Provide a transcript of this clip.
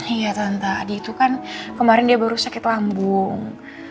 ia tenta adik itu kan kemarin dia baru sakit lambung